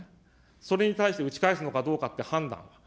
それに対して撃ち返すのかどうかって判断。